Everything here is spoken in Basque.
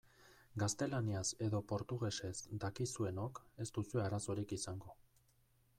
Gaztelaniaz edo portugesez dakizuenok ez duzue arazorik izango.